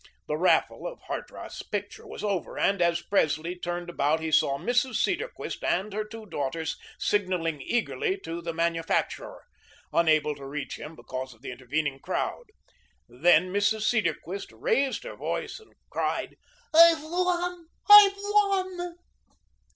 The raffle of Hartrath's picture was over, and as Presley turned about he saw Mrs. Cedarquist and her two daughters signalling eagerly to the manufacturer, unable to reach him because of the intervening crowd. Then Mrs. Cedarquist raised her voice and cried: "I've won. I've won."